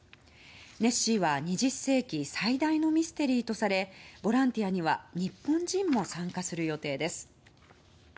ネッシーは、２０世紀最大のミステリーとされボランティアには日本人も参加する予定です。